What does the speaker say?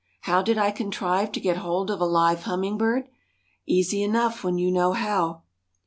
How did I contrive to get hold of a live hummingbird? Easy enough when you know how.